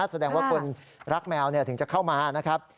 แสดงว่าคนรักแมวถึงจะเข้ามานะครับ